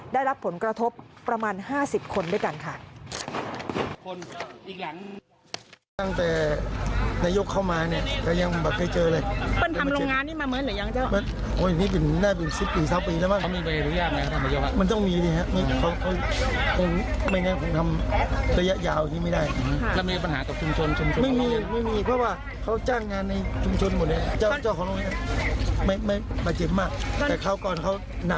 ได้รับผลกระทบประมาณ๕๐คนด้วยกันค่ะ